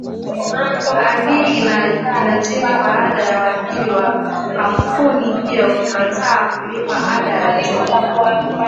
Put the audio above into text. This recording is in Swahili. a hii inajiri baada ya wamiliki wa kampuni hiyo kukataa kulipa ada ya juu